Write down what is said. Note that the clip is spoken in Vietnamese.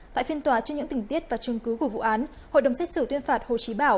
tại phiên tòa trước những tình tiết và chương cứu của vụ án hội đồng xét xử tuyên phạt hồ chí bảo